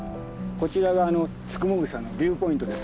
こちらがツクモグサのビューポイントです。